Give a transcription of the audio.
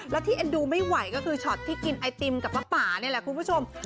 แล้วที่เอ็นดูไม่ไหวก็คือช็อตที่กินไอติมกับป้าป่านี่แหละคุณผู้ชม